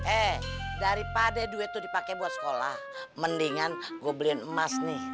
eh daripada duit itu dipakai buat sekolah mendingan gue beliin emas nih